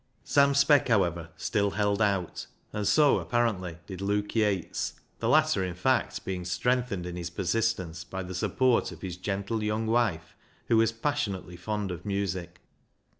Sam Speck, however, still held out, and so, apparently, did Luke Yates, the latter, in fact, being strengthened in his persistence by the support of his gentle young wife, who was passionately fond of music.